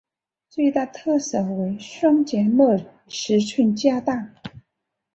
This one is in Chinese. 最大特色为双萤幕尺寸加大。